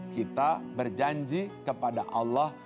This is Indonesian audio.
kita berjanji kepada allah